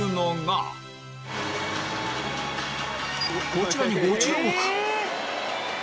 こちらにご注目！